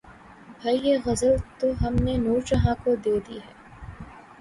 بھئی یہ غزل تو ہم نے نور جہاں کو دے دی ہے